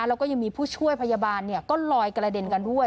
แล้วก็ยังมีผู้ช่วยพยาบาลก็ลอยกระเด็นกันด้วย